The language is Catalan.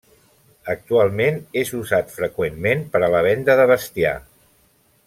Actualment és usat freqüentment per a la venda de bestiar.